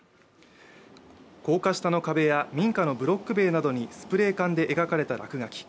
高架下の壁や民家のブロック塀などにスプレー缶で描かれた落書き。